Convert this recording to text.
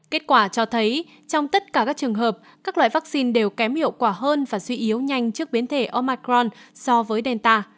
kết quả cho thấy trong tất cả các trường hợp các loại vaccine đều kém hiệu quả hơn và suy yếu nhanh trước biến thể omicron so với delta